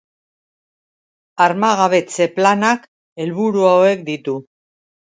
Armagabetze planak helburu hauek ditu.